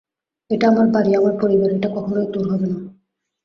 এটা আমার বাড়ি, আমার পরিবার, এটা কখনোই তোর হবে না।